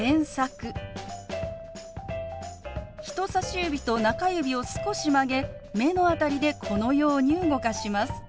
人さし指と中指を少し曲げ目の辺りでこのように動かします。